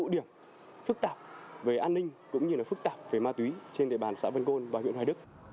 điểm phức tạp về an ninh cũng như là phức tạp về ma túy trên địa bàn xã vân côn và huyện hoài đức